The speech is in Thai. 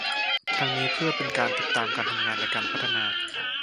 ทั้งนี้เพื่อเป็นการติดตามการทำงานในการพัฒนา